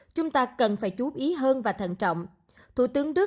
chúng ta cần phải chú ý hơn và thận trọng thủ tướng đức